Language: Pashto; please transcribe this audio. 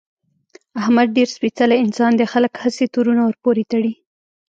احمد ډېر سپېڅلی انسان دی، خلک هسې تورونه ورپورې تړي.